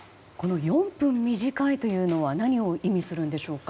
４分短いというのは何を意味するんでしょうか。